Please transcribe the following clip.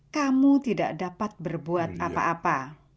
kamu tidak dapat berbuat apa apa